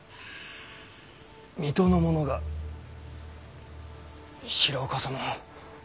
水戸の者が平岡様を？